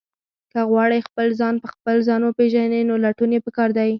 که غواړئ خپل ځان په خپل ځان وپېژنئ، نو لټون یې پکار دی.